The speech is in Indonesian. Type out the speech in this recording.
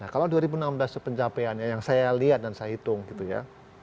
kalau dua ribu enam belas itu pencapaiannya yang saya lihat dan saya hitung gitu ya